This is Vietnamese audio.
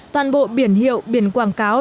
toàn bộ biển hiệu biển quảng cáo